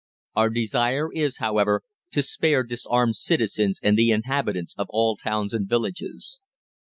Our desire is, however, to spare disarmed citizens and the inhabitants of all towns and villages.